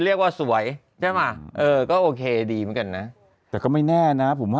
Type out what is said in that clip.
เรียกว่าสวยใช่ไหมเออก็โอเคดีเหมือนกันนะแต่ก็ไม่แน่นะผมว่า